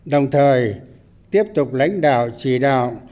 đồng thời tiếp tục lãnh đạo chỉ đạo